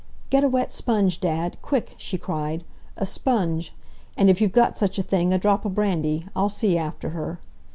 "Get a wet sponge, Dad—quick!" she cried, "a sponge,—and, if you've got such a thing, a drop o' brandy. I'll see after her!"